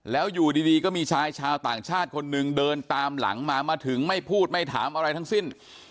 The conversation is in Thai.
แล้วอยู่ดีก็มีชายชาวต่างชาติคนหนึ่งเดินตามหลังมามาถึงไม่พูดไม่ถามอะไรทั้งสิ้น